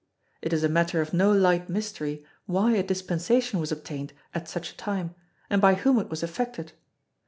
It is a matter of no light mystery why a Dispensation was obtained at such a time and by whom it was effected.